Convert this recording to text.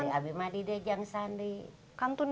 saya berusia berusia dua tahun